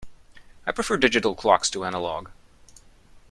I prefer digital clocks to analog.